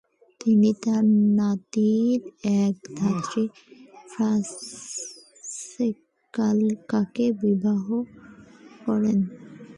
তিনি তার নাতির এক ধাত্রী ফ্রাসেসকাকে বিবাহ করেন।